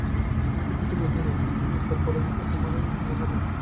আমি তো কিছু বুঝি নে, তুমি একবার পড়ে দেখো দেখি তোমার কেমন লাগে।